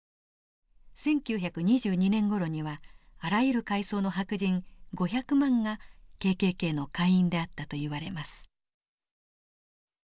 １９２２年ごろにはあらゆる階層の白人５００万がＫＫＫの会員であったといわれます。